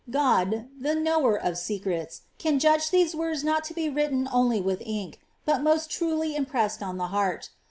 God, lie knnwor of secrets, can judge these words not to be written only with ynke, ut most truly impressed on the heart.